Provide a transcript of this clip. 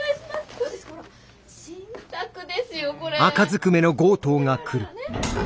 どうですか新作ですよこれ。